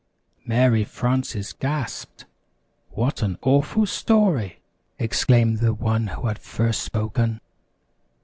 Mary Frances gasped. "What 'n awful story!" exclaimed the one who had first spoken.